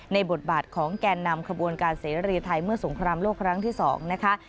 บทบาทของแก่นำขบวนการเสรีไทยเมื่อสงครามโลกครั้งที่๒นะคะ